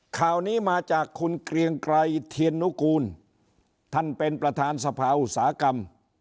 ข่าวนี้มาจากคุณเกรียงไกรเทียนนุกูลท่านเป็นประธานสภาอุตสาหกรรม